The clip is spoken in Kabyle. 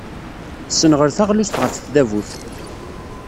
Tessenɣel taɣlust ɣef tdabut.